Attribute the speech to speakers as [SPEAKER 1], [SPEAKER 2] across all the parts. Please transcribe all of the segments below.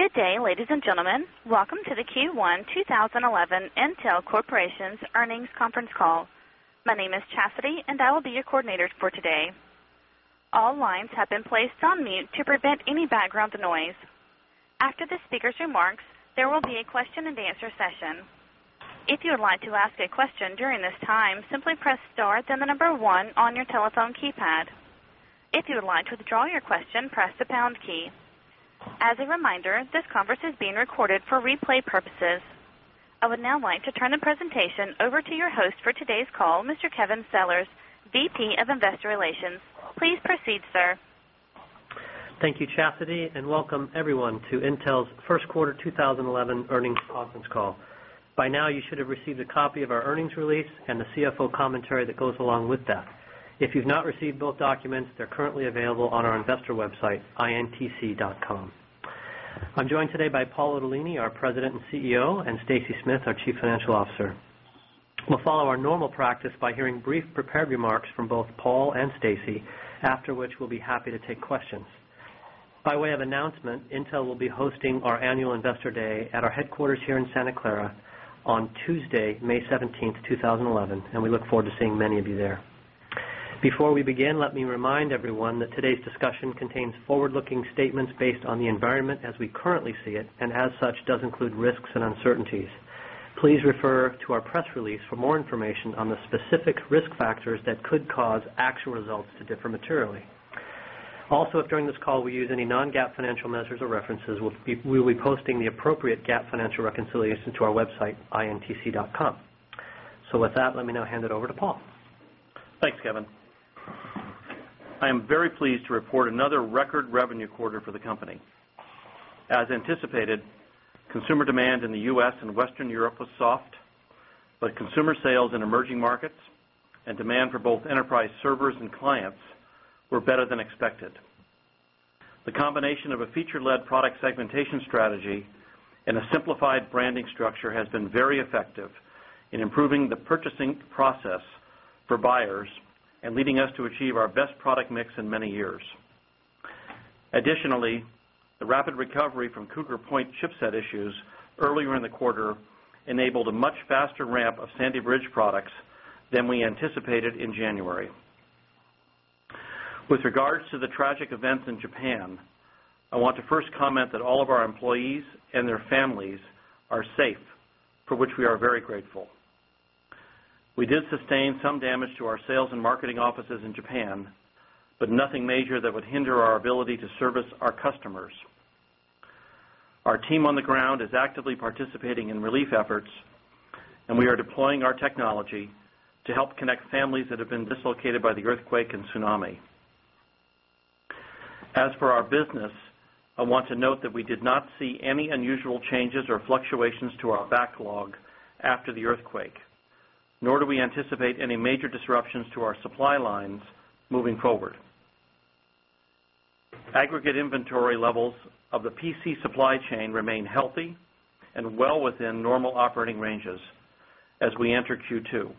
[SPEAKER 1] Good day, ladies and gentlemen. Welcome to the Q1 2011 Intel Corporation's Earnings Conference Call. My name is Chastity, and I will be your coordinator for today. All lines have been placed on mute to prevent any background noise. After the speakers' remarks, there will be a question and answer session. As a reminder, this conference is being recorded for replay purposes. I would now like to turn the presentation over to your host for today's call, Mr. Kevin Sellars, VP of Investor Relations. Please proceed, sir.
[SPEAKER 2] Thank you, Chastity, and welcome, everyone, to Intel's Q1 2011 earnings conference call. By now, you should have received a copy of our earnings release and the CFO commentary that goes along with that. If you've not received both documents, they're currently available on our investor website, intc I'm joined today by Paul Otellini, our President and CEO and Stacy Smith, our Chief Financial Officer. We'll follow our normal practice by hearing brief prepared remarks from both Paul and Stacy, after which we'll be happy to take questions. By way of announcement, Intel will be hosting our Annual Investor Day at our headquarters here in Santa Clara on Tuesday, May 17th, 2011, and we look forward to seeing many of you there. Before we begin, let me remind everyone that today's discussion contains forward looking statements based on the environment as we to differ materially. Also, if during this call, we use any non GAAP financial measures or references, we will be posting the appropriate GAAP financial reconciliation to our website, at ntc.com. So with that, let me now hand it over to Paul. Thanks, Kevin.
[SPEAKER 3] I am very pleased to report another record revenue quarter for the company. As anticipated, consumer demand in the U. S. And Western Europe was soft, but consumer sales in emerging markets and demand for both enterprise servers and clients were better than expected. The combination of a feature led product segmentation strategy And the simplified branding structure has been very effective in improving the purchasing process for buyers and leading us to achieve our best product mix in many years. Additionally, the rapid recovery from Cougar Point chipset issues earlier in the quarter enabled a much faster ramp of Sandy Bridge products than we anticipated in January. With regards to the tragic events in Japan, I want to first comment that all of our employees and their families are safe for which we are very grateful. We did sustain some damage to our sales and marketing offices in Japan, but nothing major that would hinder our ability to service our customers. Our team on the ground is actively participating in relief efforts and we are deploying our technology to help connect families that have been dislocated by the earthquake and tsunami. As for our business, I want to note that we did not see any unusual changes or fluctuations to our backlog after the earthquake, nor do we anticipate any major disruptions to our supply lines moving forward. Aggregate inventory levels of the PC supply chain remain healthy and well within normal operating ranges as we enter Q2.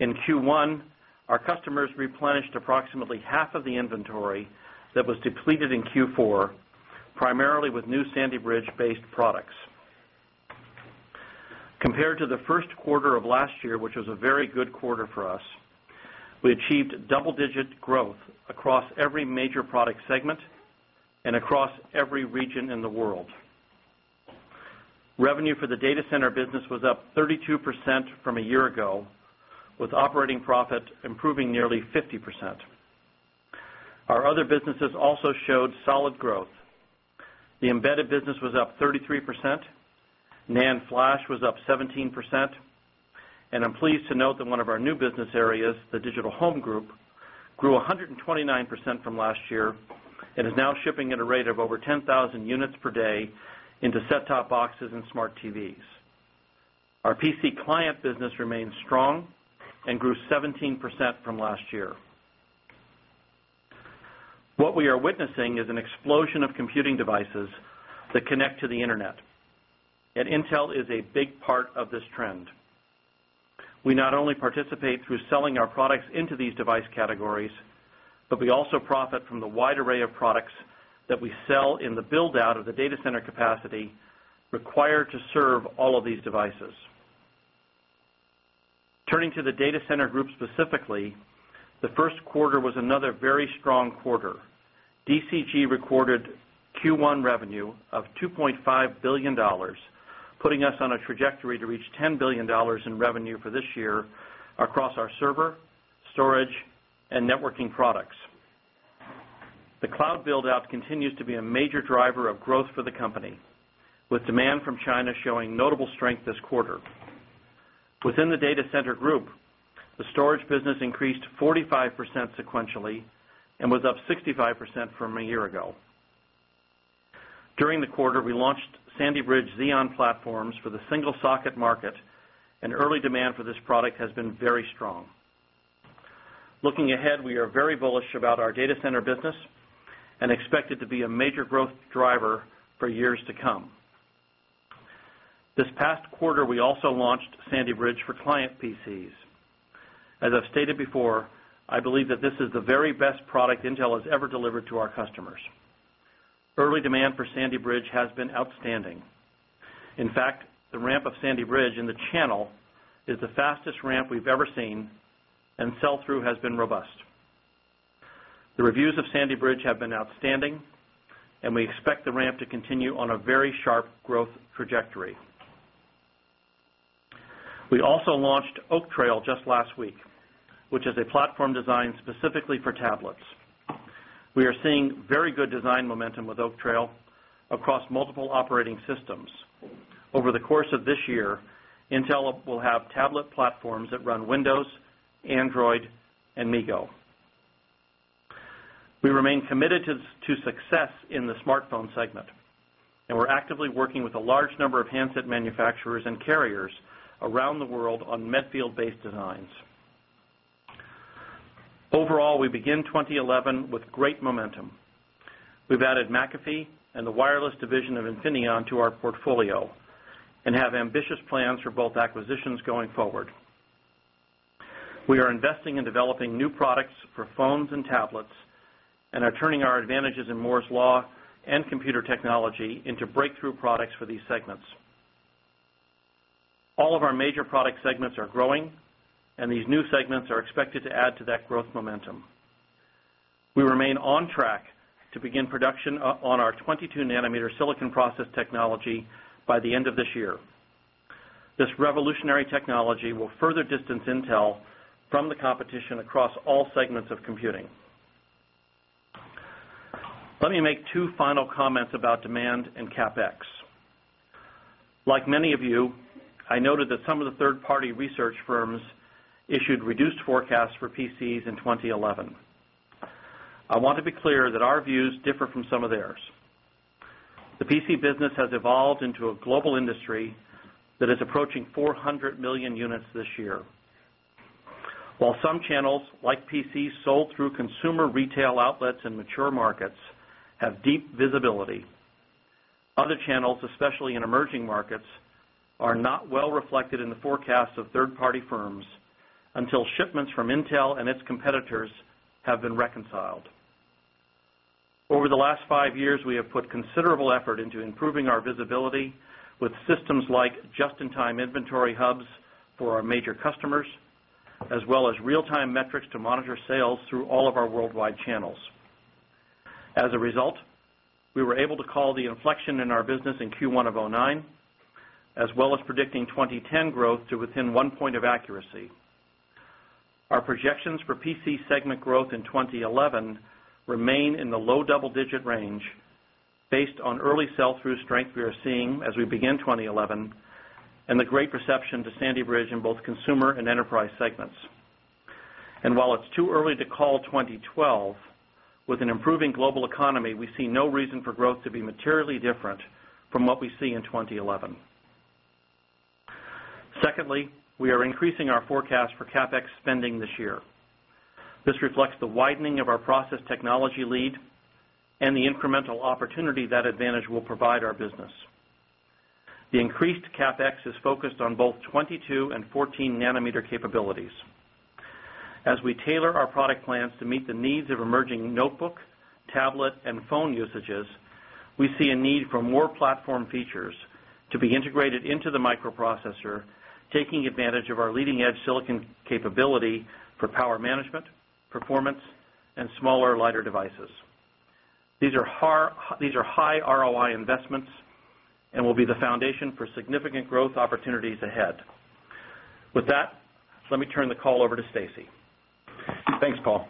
[SPEAKER 3] In Q1, our customers replenished approximately half of the inventory that was depleted in Q4, primarily with new Sandy Bridge based products. Compared to the Q1 of last year, which was a very good quarter for us, We achieved double digit growth across every major product segment and across every region in the world. Revenue for the data center business was up 32% from a year ago with operating profit improving nearly 50%. Our other businesses also showed solid growth. The embedded business was up 33%, NAND flash was up 17%, And I'm pleased to note that one of our new business areas, the Digital Home Group, grew 129% from last year It is now shipping at a rate of over 10,000 units per day into set top boxes and smart TVs. Our PC client business remains strong and grew 17% from last year. What we are witnessing is an explosion of computing devices that connect to the Internet And Intel is a big part of this trend. We not only participate through selling our products into these device categories, But we also profit from the wide array of products that we sell in the build out of the data center capacity required to serve all of these devices. Turning to the Data Center Group specifically, the Q1 was another very strong quarter. DCG recorded Q1 revenue of $2,500,000,000 putting us on a trajectory to reach $10,000,000,000 in revenue for this year across our server, storage and networking products. The cloud build out continues to be a major driver of growth for the company, with demand from China showing notable strength this quarter. Within the data center group, the storage business increased 45% sequentially and was up 65% from a year ago. During the quarter, we launched Sandy Bridge Xeon platforms for the single socket market and early demand for this product has been very strong. Looking ahead, we are very bullish about our data center business and expect it to be a major growth driver for years to come. This past quarter, we also launched Sandy Bridge for client PCs. As I've stated before, I believe that this is the very best product Intel has ever delivered to our customers. Early demand for Sandy Bridge has been outstanding. In fact, the ramp of Sandy Bridge in the channel is the fastest ramp we've ever seen and sell through has been robust. The reviews of Sandy Bridge have been outstanding and we expect the ramp to continue on a very sharp growth trajectory. We also launched Oak Trail just last week, which is a platform designed specifically for tablets. We are seeing very good design momentum with Oak Trail across multiple operating systems. Over the course of this year, Intel will have tablet platforms that run Windows, Android and MeGo. We remain committed to success in the smartphone segment and we're actively working with a large number of handset manufacturers and carriers around the world on metfield based designs. Overall, we begin 2011 with great momentum. We've added McAfee the wireless division of Infineon to our portfolio and have ambitious plans for both acquisitions going forward. We are investing in developing new products for phones and tablets and are turning our advantages in Moore's Law and Computer Technology into breakthrough products for these segments. All of our major product segments are growing and these new segments are expected to add to that growth momentum. We remain on track to begin production on our 22 nanometer silicon process by the end of this year. This revolutionary technology will further distance Intel from the competition across all segments of computing. Let me make 2 final comments about demand and CapEx. Like many of you, I noted that some of the 3rd party research firms issued reduced forecasts for PCs in 2011. I want to be clear that our views differ from some of theirs. The PC business has evolved into a global industry that is approaching 400,000,000 units this year. While some channels like PCs sold through consumer retail outlets and mature markets have deep visibility. Other channels, especially in emerging markets, are not well reflected in the forecast of third party firms until shipments from Intel and its competitors have been reconciled. Over the last 5 years, we have put considerable effort into improving our visibility with systems like just in time inventory hubs for our major customers as well as real time metrics to monitor sales through all of our worldwide channels. As a result, we were able to call the inflection in our business in Q1 of 2009 as well as predicting 20 10 growth to within one point of Our projections for PC segment growth in 2011 remain in the low double digit range based on early sell through strength we are seeing as we begin 2011 and the great reception to Sandy Bridge in both consumer and enterprise segments. And while it's too early to call 2012, with an improving global economy, we see no reason for growth to be materially different from what we see in 2011. Secondly, we are increasing our forecast for CapEx spending this year. This reflects the widening of our process technology lead and the incremental opportunity that ADDvantage will provide our business. The increased CapEx is focused on both 22 14 nanometer capabilities. As we tailor our product plans to meet the needs of emerging notebook, tablet and phone usages, we see a need for more platform features to be integrated into the microprocessor, taking advantage of our leading edge silicon capability for power management, performance and smaller lighter devices. These are high ROI investments
[SPEAKER 2] and will be
[SPEAKER 3] the foundation for significant growth opportunities ahead. With that, let me turn the call over to Stacy.
[SPEAKER 4] Thanks, Paul.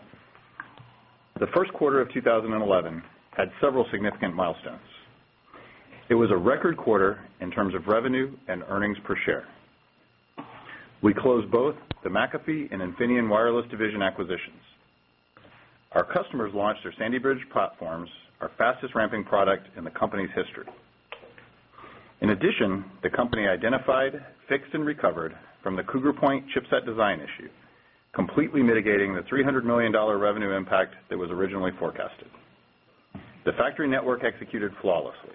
[SPEAKER 4] The Q1 of 2011 had several significant milestones. It was a record quarter in terms of revenue and earnings per share. We closed both the McAfee and Infineon Wireless division acquisitions. Our customers launched their Sandy Bridge platforms, our fastest ramping product in the company's history. In addition, the company identified, fixed and recovered from the Cougar Point chipset design issue, completely mitigating the $300,000,000 revenue impact that was originally forecasted. The factory network executed flawlessly,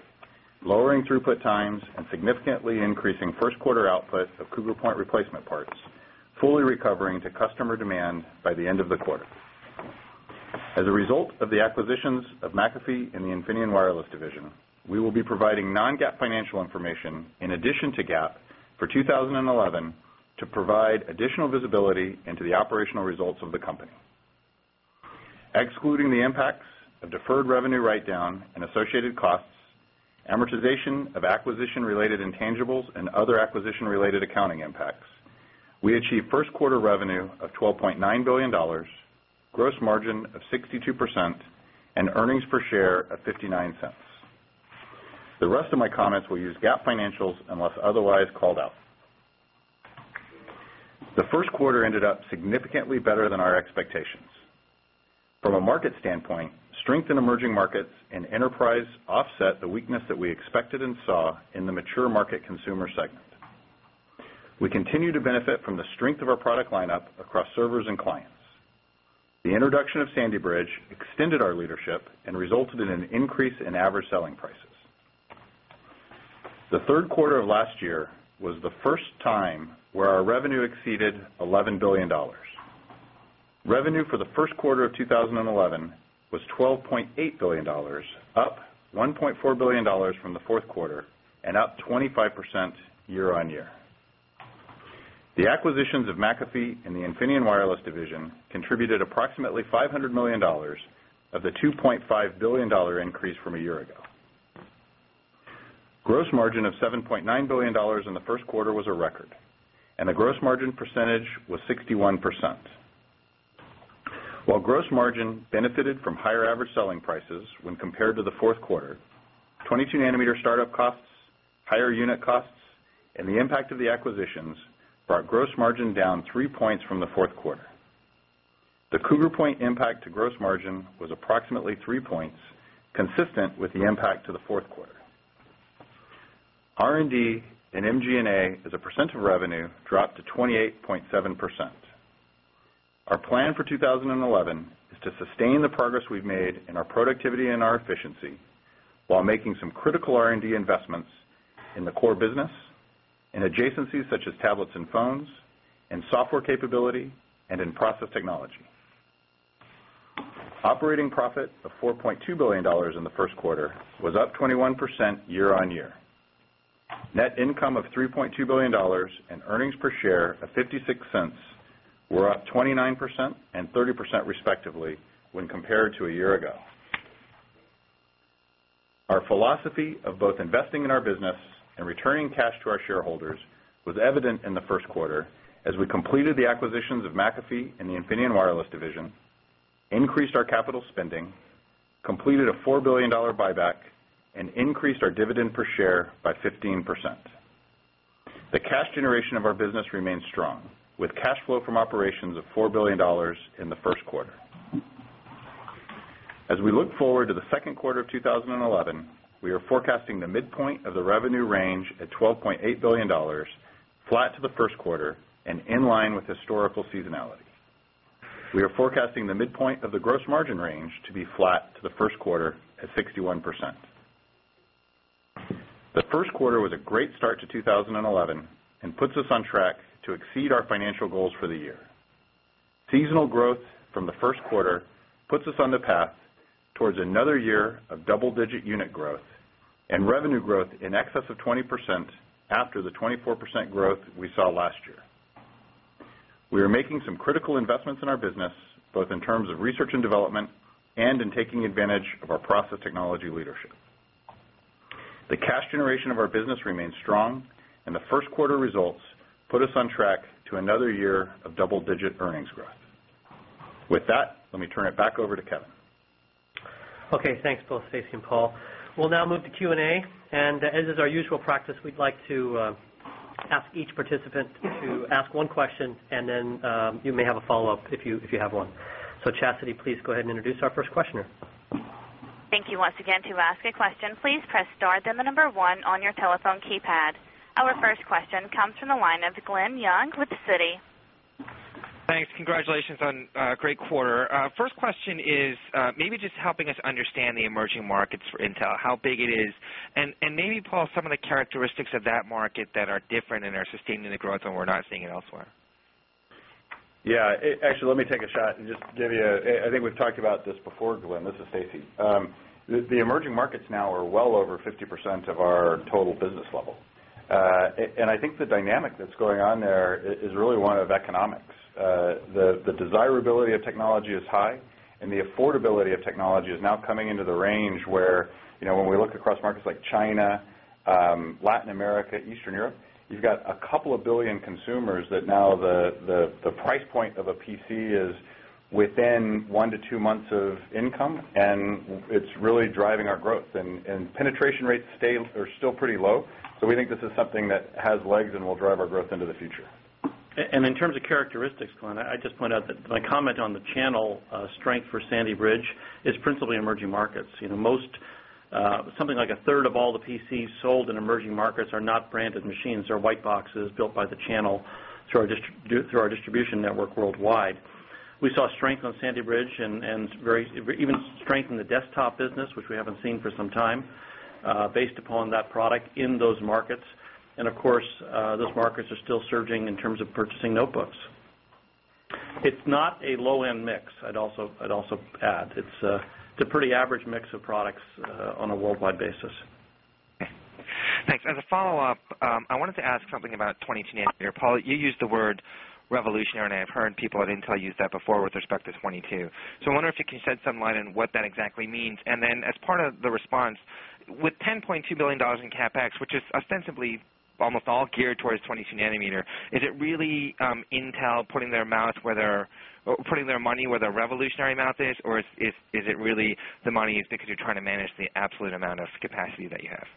[SPEAKER 4] lowering throughput times and significantly increasing 1st quarter output of Cougar Point replacement parts, fully recovering to customer demand by the end of the quarter. As a result of the acquisitions of McAfee and the Infineon Wireless division, We will be providing non GAAP financial information in addition to GAAP for 2011 to provide additional visibility into the operational results of the company. Excluding the impacts of deferred revenue write down and associated costs, amortization of acquisition related intangibles and other We achieved 1st quarter revenue of $12,900,000,000 gross margin of 62% and earnings per share of $0.59 The rest of my comments will use GAAP financials unless otherwise called out. The Q1 ended up significantly better than our expectations. From a market standpoint, Strength in emerging markets and enterprise offset the weakness that we expected and saw in the mature market consumer segment. We continue to benefit from the strength of our product lineup across servers and clients. The introduction of Sandy Bridge extended our leadership and resulted in an increase in average selling prices. The Q3 of last year was the first time where our revenue exceeded $11,000,000,000 Revenue for the Q1 of 2011 was $12,800,000,000 up $1,400,000,000 from the 4th quarter and up 25% year on year. The acquisitions of McAfee and the Infineon Wireless division contributed approximately $500,000,000 of the $2,500,000,000 increase from a year ago. Gross margin of $7,900,000,000 in the first quarter was a record and the gross margin percentage was 61%. While gross margin benefited from higher average selling prices when compared to the Q4, 22 nanometer start up costs, Higher unit costs and the impact of the acquisitions brought gross margin down 3 points from the 4th quarter. The Cougar Point impact to gross margin was approximately 3 points consistent with the impact to the 4th quarter. R and D and MG and A as a percent of revenue dropped to 28.7%. Our plan for 2011 is to sustain the progress we've made in our productivity and our efficiency, while making some critical R and D investments in the core business and adjacencies such as tablets and phones and software capability and in process technology. Operating profit of $4,200,000,000 in the first quarter was up 21% year on year. Net income of $3,200,000,000 Earnings per share of $0.56 were up 29% 30%, respectively, when compared to a year ago. Our philosophy of both investing in our business and returning cash to our shareholders was evident in the Q1 as we completed the acquisitions of McAfee and the Infineon Wireless increased our capital spending, completed a $4,000,000,000 buyback and increased our dividend per share by 15%. The cash generation of our business remains strong with cash flow from operations of $4,000,000,000 in the Q1. As we look forward to the Q2 of 2011, we are forecasting the midpoint of the revenue range at $12,800,000,000 flat to the Q1 and in line with historical seasonality. We are forecasting the midpoint of the gross margin range to be flat to the Q1 at 61%. The Q1 was a great start to 2011 and puts us on track to exceed our financial goals for the year. Seasonal growth from the Q1 puts us on the path towards another year of double digit unit growth and revenue growth in excess of 20% after the 24% growth we saw last year. We are making some critical investments in our business, both in terms of research and development and in taking advantage of our process technology leadership. The cash generation of our business remains strong and the Q1 results put us on track to another year of double digit earnings growth. With that, let me turn it back over to Kevin.
[SPEAKER 2] Okay. Thanks both Stacy and Paul. We'll now move to Q and A. And as is our usual practice, we'd like to ask each participant Thank you to ask one question and then, you may have a follow-up if you have one. So Chastity, please go ahead and introduce our
[SPEAKER 5] first questioner.
[SPEAKER 1] Thank you. Our first question comes from the line of Glenn Young with Citi.
[SPEAKER 6] Thanks. Congratulations on a great quarter. First question is maybe just helping us understand the emerging markets for Intel, how big it is? And maybe, Paul, some of the characteristics of that market that are different and are sustaining the growth and we're not seeing it elsewhere.
[SPEAKER 4] Yes. Actually, let me take a shot and just give you I think we've talked about this before, Glenn. This is Stacy. The emerging markets now are well over 50% of our total business level. And I think the dynamic that's going on there is really one of economics. The desirability of technology is high And the affordability of technology is now coming into the range where when we look across markets like China, Latin America, Eastern Europe, You've got a couple of 1,000,000,000 consumers that now the price point of a PC is within 1 to 2 months of income And it's really driving our growth. And penetration rates stay are still pretty low. So we think this is something that has legs and will drive our growth into the future.
[SPEAKER 3] And in terms of characteristics, Glenn, I'd just point out that my comment on the channel strength for Sandy Bridge is principally emerging markets. Most Something like a third of all the PCs sold in emerging markets are not branded machines or white boxes built by the channel through our distribution network worldwide. We saw strength on Sandy Bridge and very even strength in the desktop business, which we haven't seen for some time, based upon that product in those markets. And of course, those markets are still surging in terms of purchasing notebooks. It's not a low end mix, I'd also add, it's a pretty average mix of products on a worldwide basis.
[SPEAKER 6] Thanks. As a follow-up, I wanted to ask something about 20.2. Paul, you used the word revolutionary and I've heard people at Intel use that before with respect to 2022. I wonder if you can shed some light on what that exactly means. And then as part of the response, with $10,200,000,000 in CapEx, which is ostensibly Almost all geared towards 22 nanometer. Is it really, Intel putting their mouth where they're putting their money where their revolutionary mouth is? Or is it really money is because you're trying to manage the absolute amount of capacity that you have.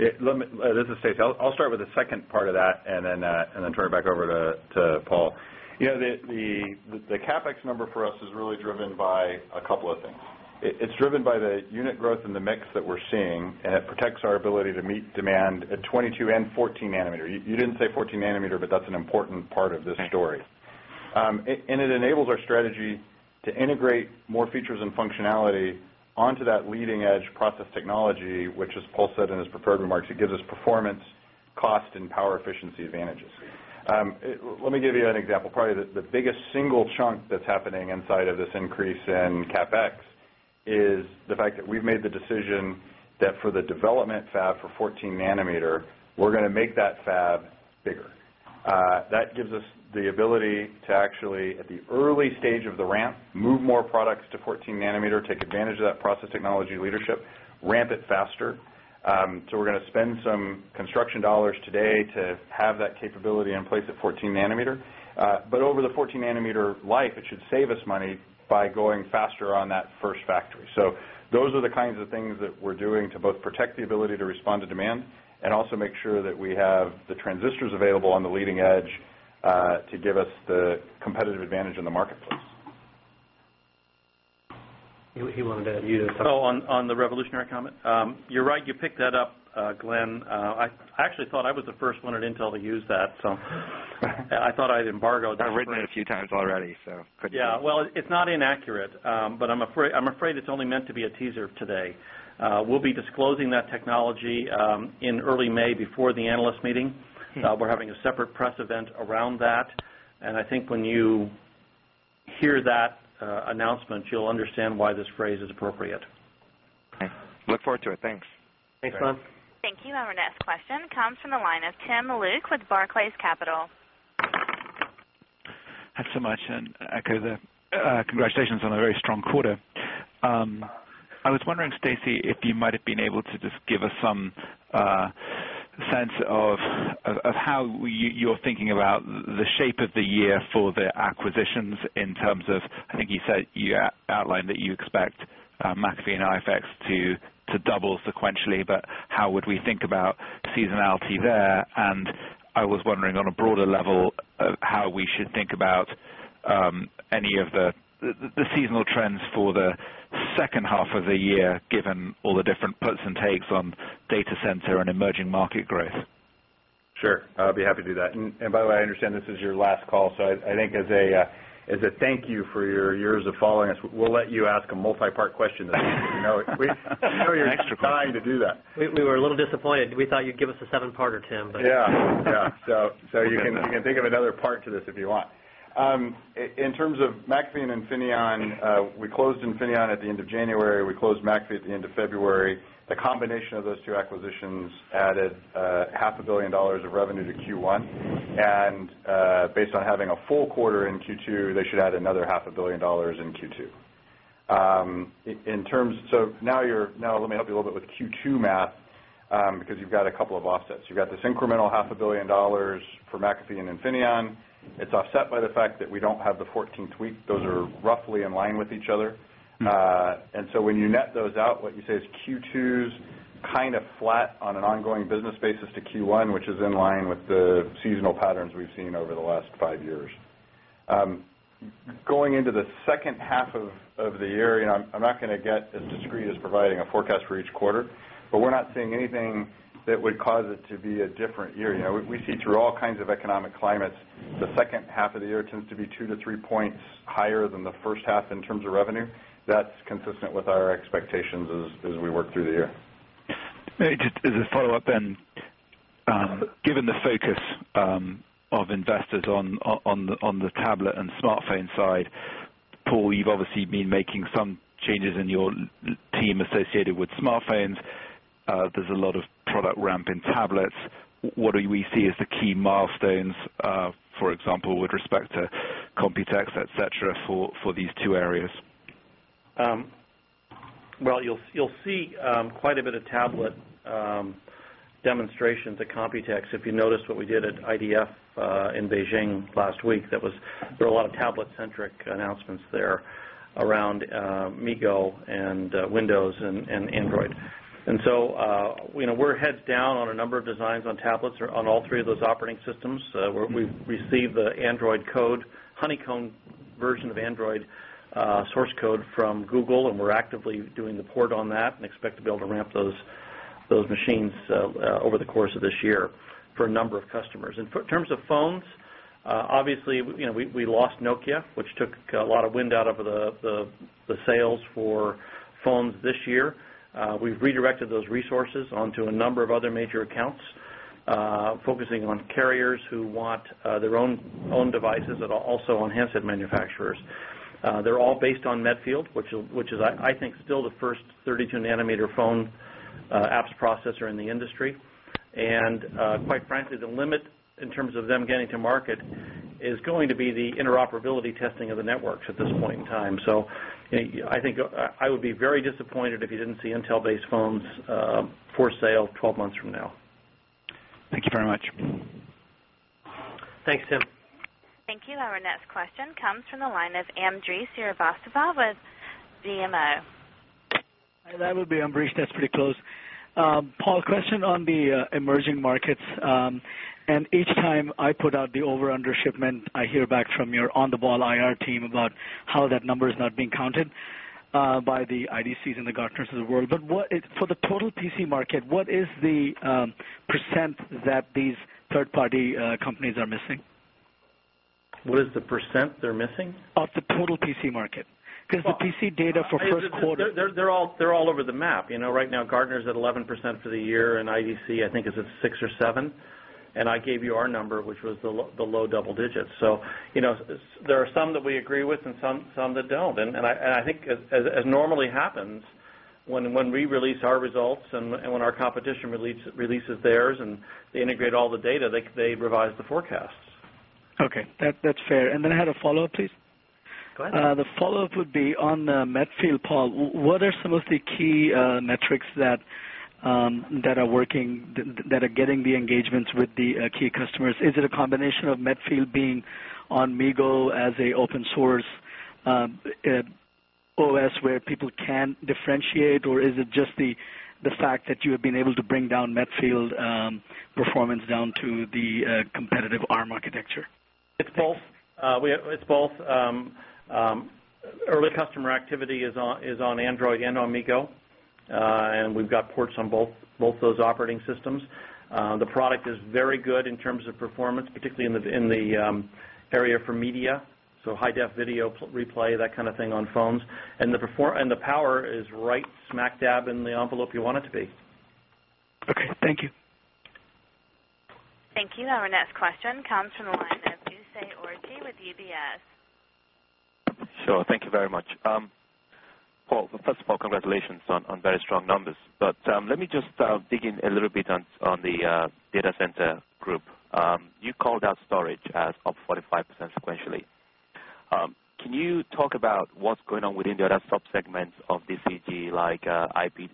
[SPEAKER 4] This is Stacy. I'll start with the second part of that And then turn it back over to Paul. The CapEx number for us is really driven by a couple of things. It's driven by the unit growth and the mix that we're seeing and it protects our ability to meet demand at 22 and 14 nanometer. You didn't say 14 nanometer, but that's an important part of And it enables our strategy to integrate more features and functionality onto that leading edge process Technology, which as Paul said in his prepared remarks, it gives us performance, cost and power efficiency advantages. Let me give you an example. Probably the biggest single chunk That's happening inside of this increase in CapEx is the fact that we've made the decision that for the development fab for 14 nanometer, We're going to make that fab bigger. That gives us the ability to actually, at the early stage of the ramp, move more products 14 nanometer, take advantage of that process technology leadership, ramp it faster. So we're going to spend some construction dollars today to have that capability in place at 14 nanometer, but over the 14 nanometer life, it should save us money by going faster on that first factory. So Those are the kinds of things that we're doing to both protect the ability to respond to demand and also make sure that we have the transistors available on the leading edge to give us the competitive advantage in the marketplace.
[SPEAKER 7] He wanted to use
[SPEAKER 3] On the revolutionary comment, you're right, you That up, Glenn. I actually thought I was the first one at Intel to use that. So I thought I'd embargoed that. I've written
[SPEAKER 6] it a few times already, so
[SPEAKER 3] Yes. Well, it's not inaccurate, but I'm afraid it's only meant to be a teaser today. We'll be disclosing that technology, in early May before the analyst meeting. We're having a separate press event around that. And I think when you hear that announcement, you'll understand why this phrase is appropriate.
[SPEAKER 6] Okay. Look forward to it. Thanks.
[SPEAKER 2] Thanks, Glenn.
[SPEAKER 1] Thank you. Our next question comes from the line of Tim Luke with Barclays Capital.
[SPEAKER 8] Thanks so much and echo the congratulations on a very strong quarter.
[SPEAKER 9] I was wondering, Stacy, if
[SPEAKER 8] you might have been able to just give us some A sense of how you're thinking about the shape of the year for the acquisitions in terms of, I think you said you outlined that you expect McAfee and IFAX to double sequentially, but how would we think about Seasonality there and I was wondering on a broader level how we should think about any of The seasonal trends for the second half of the year given all the different puts and takes on data center and emerging market growth.
[SPEAKER 4] Sure. I'll be happy to do that. And by the way, I understand this is your last call. So I think as a thank you for your years of following us, we'll let you ask A multipart question. We know you're trying
[SPEAKER 2] to do that. We were a little disappointed. We thought you'd give us a 7 parter, Tim.
[SPEAKER 4] Yes. So you can think of another part this if you want. In terms of McAfee and Infineon, we closed Infineon at the end of January. We closed McAfee at the end of February. The combination of those two acquisitions added $500,000,000 of revenue to Q1. And based on having a full quarter in Q2, they should add another half You got this incremental $500,000,000 for McAfee and Infineon. It's offset by the fact that we don't have the 14th week. Those are roughly in line with each other. And so when you net those out, what you say is Q2 is kind of flat on an ongoing business basis to Q1, which is in line with the seasonal patterns we've Over the last 5 years. Going into the second half of the year, I'm not going to get Discrete is providing a forecast for each quarter, but we're not seeing anything that would cause it to be a different year. We see through all kinds of economic climates, The second half of the year tends to be 2 to 3 points higher than the first half in terms of revenue. That's consistent with our expectations as we work through the year.
[SPEAKER 8] Maybe just as a follow-up then, given the focus of investors on the tablet and smartphone side, Paul, you've obviously been making some changes in your team associated with smartphones. There's a lot of product ramp in tablets. What do we see as the key milestones, for example, with respect to Computex, etcetera, for these two areas?
[SPEAKER 3] Well, you'll see quite a bit of tablet demonstrations at Computex. If you notice what we did at IDF In Beijing last week, there was a lot of tablet centric announcements there around MIGO and Windows and Android. And so, we're heads down on a number of designs on tablets on all three of those operating systems. We received the Android code, Honeycomb version of Android source code from Google and we're actively doing the port on that and expect to be able to ramp Those machines over the course of this year for a number of customers. And in terms of phones, obviously, we lost Nokia, which took a lot of wind out of the sales for phones this year. We've redirected those resources onto a number of other major accounts, Focusing on carriers who want their own devices that are also on handset manufacturers. They're all based on Medfield, Which is, I think, still the first 32 nanometer phone apps processor in the industry. And quite frankly, the limit In terms of them getting to market is going to be the interoperability testing of the networks at this point in time. So I think I would be very disappointed didn't see Intel based phones for sale 12 months from now.
[SPEAKER 5] Thank you very much.
[SPEAKER 2] Thanks Tim.
[SPEAKER 1] Thank you. Our next question comes from the line of Amdri Surabhaswala with BMO.
[SPEAKER 10] Hi, that will be Ambrish. That's pretty close. Paul, question on the emerging markets. And each time I put out the over under shipment, I hear back from your on the ball IR team about How that number is not being counted by the IDCs and the Gartner's of the world. But what is for the total PC market, what is the percent that these 3rd party companies are missing?
[SPEAKER 3] What is the percent they're missing?
[SPEAKER 10] Of the total PC market. Because the PC data for Q1
[SPEAKER 3] They're all over the Right now, Gartner is at 11% for the year and IDC, I think, is at 6% or 7%. And I gave you our number, which was the low double digits. So There are some that we agree with and some that don't. And I think as normally happens, when we release our results and when our competition releases theirs and They integrate all the data. They revised the forecasts.
[SPEAKER 10] Okay. That's fair. And then I had a follow-up, please.
[SPEAKER 11] Go ahead.
[SPEAKER 10] The Follow-up would be on Medfield, Paul. What are some of the key metrics that are working That are getting the engagements with the key customers. Is it a combination of Medfield being on MIGO as an open source OS where people can differentiate or is it just the fact that you have been able to bring down Metfield Performance down to the competitive ARM architecture.
[SPEAKER 3] It's both. Early customer activity is on Android and on MIGO, and we've got ports on both of those operating systems. The product is very good in terms of performance, particularly in the area for media. So high def video replay that kind of thing on phones And the power is right smack dab in the envelope you want it to be.
[SPEAKER 11] Okay. Thank you.
[SPEAKER 1] Thank you. Our next question comes from the line of Dusey Orji with UBS.
[SPEAKER 7] Sure. Thank you very much. Paul, first of all, congratulations on very strong numbers. But let me just dig in a little bit on the data center Group, you called out storage as up 45% sequentially. Can you talk about what's going on within the other subsegment Of the CG like IP,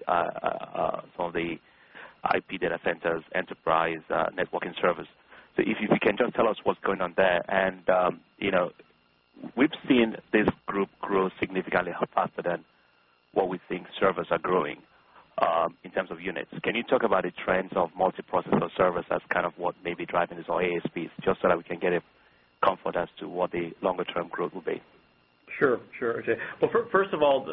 [SPEAKER 7] from the IP data centers, enterprise, networking service. So If you can just tell us what's going on there. And we've seen this group grow significantly faster than While we think servers are growing, in terms of units, can you talk about the trends of multiprocessor service as kind of what may be driving this on ASPs, just so that we can get a Confidence to what the longer term growth will be?
[SPEAKER 3] Sure, sure, Ajay. Well, first of all,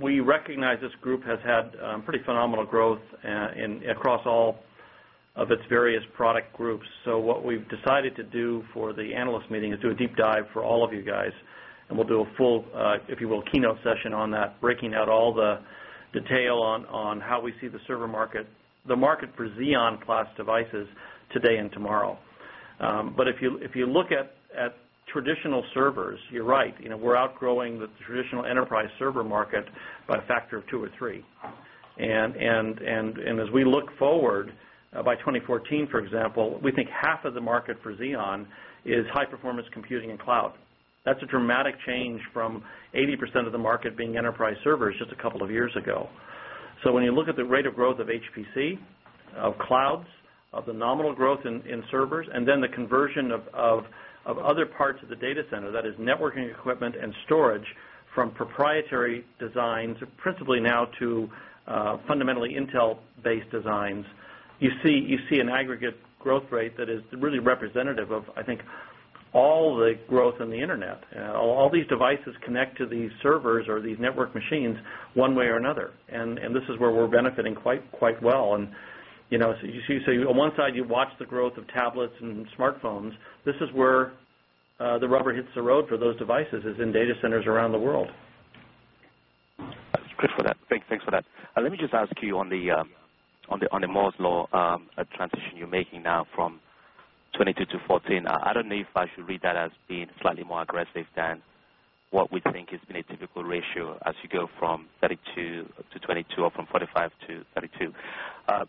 [SPEAKER 3] we recognize this group has had pretty phenomenal growth across all of its various product groups. So what we've decided to do for the analyst meeting is do a deep dive for all of you guys And we'll do a full, if you will, keynote session on that breaking out all the detail on how we see the server market, The market for Xeon plus devices today and tomorrow. But if you look at traditional servers, you're right, we're outgrowing the For Xeon is high performance computing and cloud. That's a dramatic change from 80% of the market being enterprise servers just a couple of years ago. So when you look at the rate of growth of HPC, of clouds, of the nominal growth in servers and then the conversion Of other parts of the data center that is networking equipment and storage from proprietary designs principally now to Fundamentally, Intel based designs, you see an aggregate growth rate that is really representative of, I think, All the growth in the Internet, all these devices connect to these servers or these network machines one way or another. And this is where we're benefiting quite well. And So you see, on one side, you watch the growth of tablets and smartphones. This is where the rubber hits the road for those devices is in data centers around the world.
[SPEAKER 7] Thanks for that. Let me just ask you on the Moore's Law transition you're making now from 22% to 14%. I don't know if I should read that as being slightly more aggressive than what we think has been a typical ratio as you go from 32 to 2022 or from 45 to 32.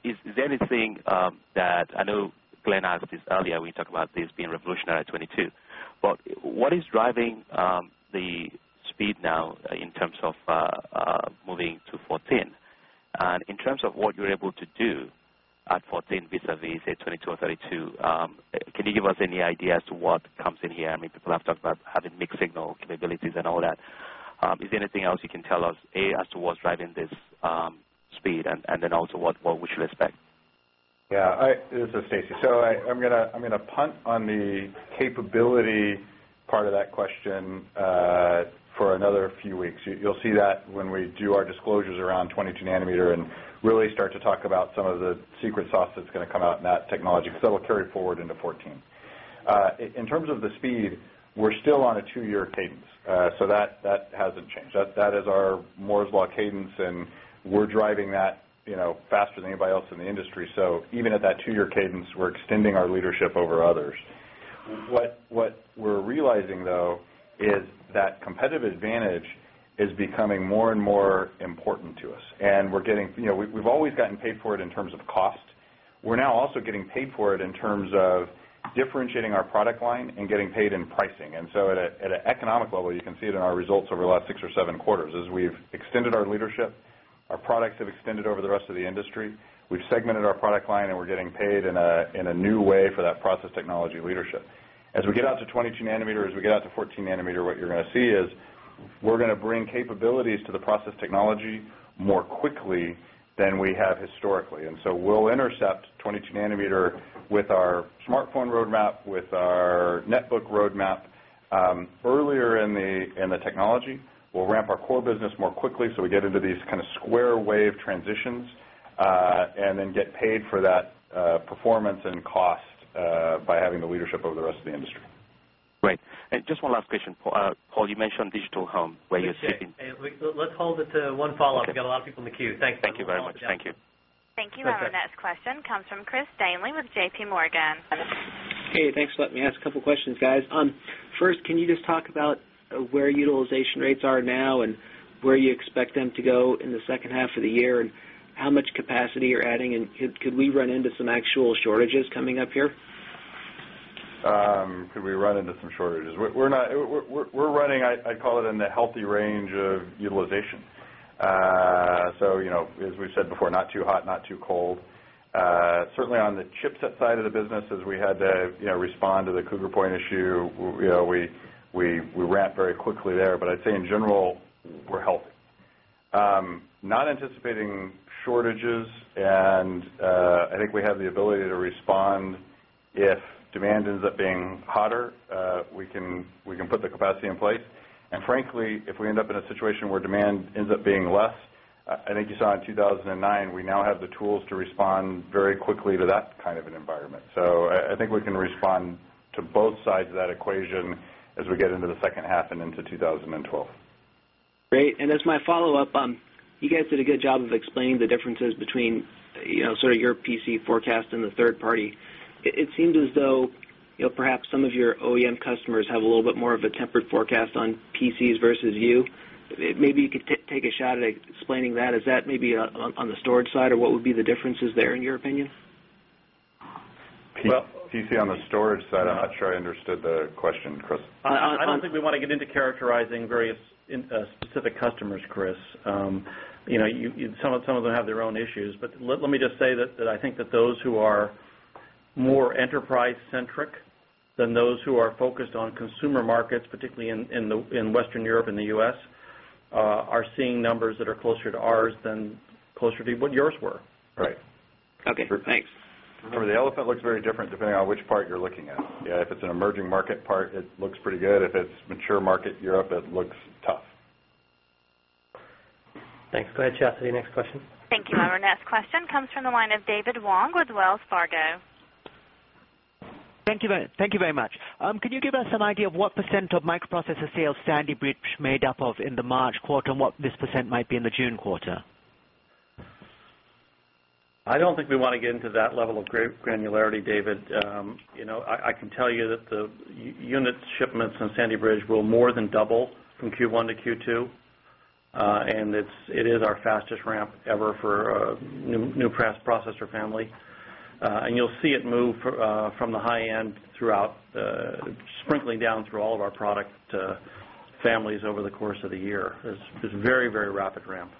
[SPEAKER 7] Is there anything that I know Glenn asked this earlier, we talked about this being revolutionary in 2022. Well, what is driving the speed now in terms of moving to 14? In terms of what you're able to do at 14visavis2,232, can you give us any idea as to what comes in here? I mean, people have talked about Mixed signal capabilities and all that. Is there anything else you can tell us, A, as to what's driving this speed and then also what we should expect?
[SPEAKER 4] Yes. This is Stacy. So I'm going to punt on the capability part of that question For another few weeks, you'll see that when we do our disclosures around 22 nanometer and really start to talk about some of the secret sauce that's going to come out in that technology, because that will carry forward into In terms of the speed, we're still on a 2 year cadence. So that hasn't changed. That is our Moore's Law cadence and we're driving that Faster than anybody else in the industry. So even at that 2 year cadence, we're extending our leadership over others. What we're realizing though Is that competitive advantage is becoming more and more important to us and we're getting we've always gotten paid for it in terms of cost. We're now also getting paid for it in terms of differentiating our product line and getting paid in pricing. And so at an economic level, you can see it in our results over the last 6 or 7 quarters as we've Extended our leadership. Our products have extended over the rest of the industry. We've segmented our product line and we're getting paid in a new way for that process technology leadership. As we get out to 22 nanometer, as we get out to 14 nanometer, what you're going to see is we're going to bring capabilities to the process technology more quickly than we have historically. And so we'll intercept 22 nanometer with our smartphone roadmap, with our netbook roadmap, Earlier in the technology, we'll ramp our core business more quickly, so we get into these kind of square wave transitions And then get paid for that performance and cost by having the leadership over the rest of the industry.
[SPEAKER 7] Great. Just one last question. Paul, you mentioned Digital Home, where you're shipping?
[SPEAKER 2] Let's hold it to one follow-up.
[SPEAKER 3] We've got
[SPEAKER 2] a lot of people in the queue. Thanks.
[SPEAKER 7] Thank you very much. Thank you.
[SPEAKER 11] Thank you.
[SPEAKER 1] Our next question comes from Chris Danely with JPMorgan.
[SPEAKER 3] Hey, thanks for letting me ask
[SPEAKER 12] a couple of questions guys. First, can you just talk about Where utilization rates are now and where you expect them to go in the second half of the year and how much capacity you're adding and could we run into some actual shortages coming
[SPEAKER 4] Could we run into some shortages? We're not we're running, I'd call it, in the healthy range of utilization. So as we have said before, not too hot, not too cold. Certainly, on the chipset side of the business, as we had to We ramp very quickly there, but I'd say in general, we're healthy. Not anticipating shortages and I think we have the ability to respond if demand ends up being hotter. We can put the capacity in place. And frankly, if we end up in a situation where demand ends up being less, I think you saw in 2,009, we now have Tools to respond very quickly to that kind of an environment. So I think we can respond to both sides of that equation as we get into the second half and into 2012.
[SPEAKER 12] Great. And as my follow-up, you guys did a good job of explaining the differences between sort of your PC forecast and the 3rd party. It seems as Perhaps some of your OEM customers have
[SPEAKER 3] a little bit more of
[SPEAKER 12] a tempered forecast on PCs versus you. Maybe you could take a shot at Is that maybe on the storage side or what would be the differences there in your opinion?
[SPEAKER 4] Well, PC, on the storage side, I'm not sure I understood the question, Chris.
[SPEAKER 10] I don't think we want
[SPEAKER 3] to get into characterizing various specific customers, Chris. Some of them have their own issues. Let me just say that I think that those who are more enterprise centric than those who are focused on Consumer markets, particularly in Western Europe and the U. S. Are seeing numbers that are closer to ours than closer to what yours were. Right. Okay.
[SPEAKER 4] Thanks. Remember the elephant looks very different depending on which part you're looking at. Yes, if it's an emerging market part, it looks pretty good. If it's mature market Europe, it looks tough.
[SPEAKER 2] Thanks. Go ahead, Chastity. Next question.
[SPEAKER 1] Thank you. Our next question comes from the line of David Wong with Wells Fargo.
[SPEAKER 13] Thank you very much. Could you give us an idea of what percent of microprocessor sales Sandy Bridge made up of in the March quarter and what this percent might be in the June quarter?
[SPEAKER 3] I don't think we want to get into that level of granularity, David. I can tell you that the Unit shipments in Sandy Bridge will more than double from Q1 to Q2, and it is our fastest ramp Ever for new processor family. And you'll see it move from the high end throughout sprinkling down through all of our product To families over the course of the year. It's very, very rapid ramp.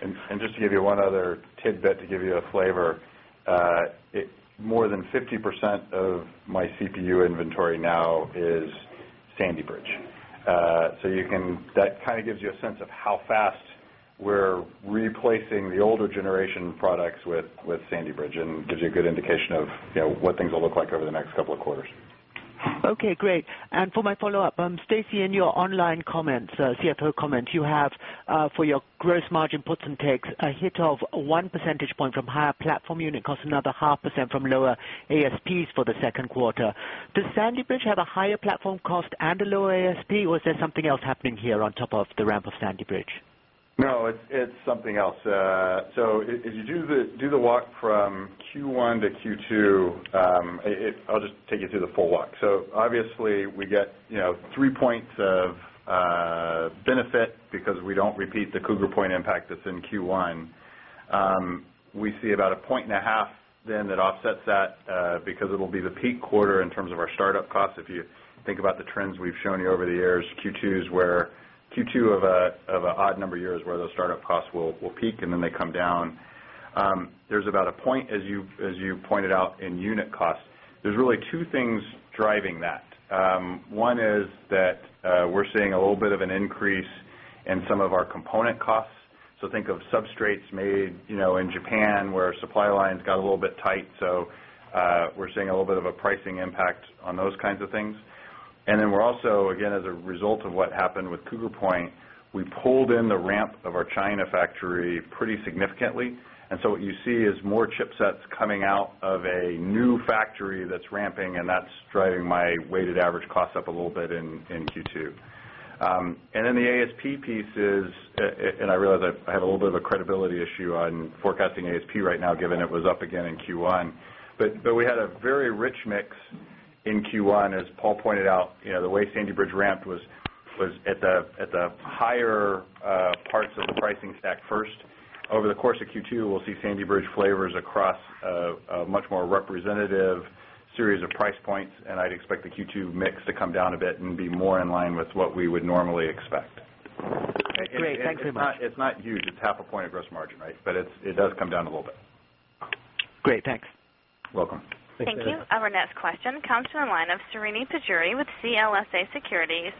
[SPEAKER 3] And just to give
[SPEAKER 4] you one other tidbit to give you a flavor, More than 50% of my CPU inventory now is Sandy Bridge. So you can that kind of gives you a sense How fast we're replacing the older generation products with Sandy Bridge and gives you a good indication of what things will look like over the next couple of
[SPEAKER 13] Okay, great. And for my follow-up, Stacy, in your online comments, CFO comments, you have for your gross margin puts takes a hit of 1 percentage point from higher platform unit cost, another 0.5% from lower ASPs for the 2nd quarter. Does Sandy Bridge have a higher platform cost and a lower ASP or is there something else happening here on top of the ramp of Sandy Bridge?
[SPEAKER 4] No, it's something else. So if you do the walk from Q1 to Q2, I'll just take you through the full walk. So obviously, we get Yes, 3 points of benefit because we don't repeat the Cougar Point impact that's in Q1. We see about 1.5 Then that offsets that, because it will be the peak quarter in terms of our start up costs. If you think about the trends we've shown you over the years, Q2 is where Q2 of an odd number of years where those start up costs will peak and then they come down. There's about a point as you pointed out in unit costs. There's really 2 things driving that. One is that, we're seeing a little bit of an increase in some of our component costs. So think of substrates made in Japan where supply lines got a little bit tight. So we're seeing a little bit of a pricing impact On those kinds of things. And then we're also, again, as a result of what happened with Cougar Point, we pulled in the ramp of our China factory pretty significantly. And so what you see is more chipsets coming out of a new factory that's ramping and that's driving my weighted average cost up a little bit in Q2. And And then the ASP piece is and I realize I have a little bit of a credibility issue on forecasting ASP right now given it was up again in Q1. But we had a very rich mix In Q1, as Paul pointed out, the way Sandy Bridge ramped was at the higher parts of the pricing stack first. Over the course of Q2, we'll see Sandy Bridge flavors across a much more representative series of price points, and I'd expect Q2 mix to come down a bit and be more in line with what we would normally expect.
[SPEAKER 9] Great. Thanks very much.
[SPEAKER 4] It's not huge. It's half a point of gross margin, right? But it does come down a little bit.
[SPEAKER 13] Great. Thanks.
[SPEAKER 4] Welcome. Thank
[SPEAKER 1] you. Our next question comes from the line of Srini Pajjuri with CLSA Securities.